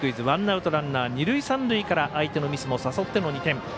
ワンアウトランナー、二塁三塁から相手のミスも誘っての２点。